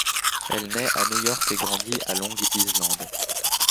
Elle naît à New York et grandit à Long Island.